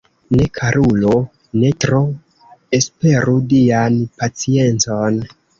Ne, karulo, ne tro esperu Dian paciencon!